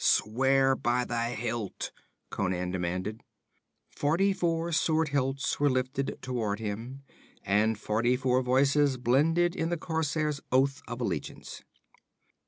'Swear by the hilt,' Conan demanded. Forty four sword hilts were lifted toward him, and forty four voices blended in the corsair's oath of allegiance.